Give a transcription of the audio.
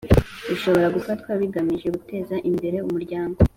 bishobora gufatwa bigamije guteza imbere umuryango